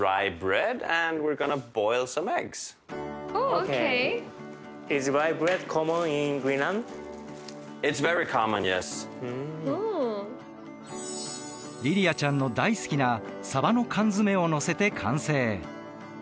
Ｏｋａｙ．リリアちゃんの大好きなサバの缶詰をのせて完成。